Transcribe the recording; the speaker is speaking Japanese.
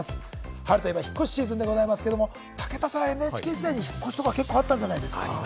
春といえば引っ越しシーズンですが武田さん、ＮＨＫ時代に引っ越しとかあったんじゃないですか？